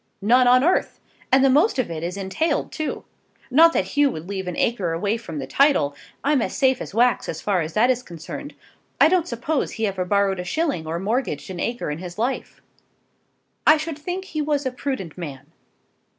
"None on earth; and the most of it is entailed, too; not that Hugh would leave an acre away from the title. I'm as safe as wax as far as that is concerned. I don't suppose he ever borrowed a shilling or mortgaged an acre in his life." "I should think he was a prudent man."